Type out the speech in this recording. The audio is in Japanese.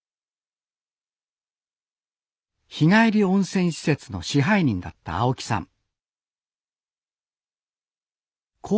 日帰り温泉施設の支配人だった青木さん。